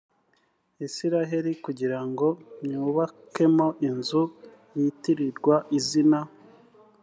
isirayeli kugira ngo nywubakemo inzu o yitirirwa izina